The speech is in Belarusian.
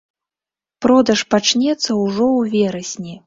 Продаж пачнецца ўжо ў верасні.